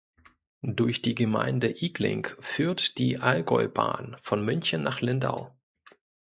Durch die Gemeinde Igling führt die Allgäubahn von München nach Lindau.